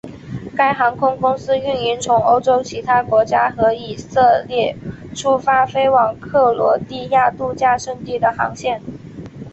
该航空公司运营从欧洲其他国家和以色列出发飞往克罗地亚度假胜地的航线。